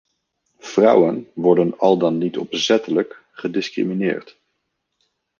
Vrouwen worden al dan niet opzettelijk gediscrimineerd.